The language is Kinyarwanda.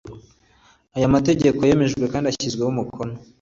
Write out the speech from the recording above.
Aya mategeko yemejwe kandi ashyizweho umukono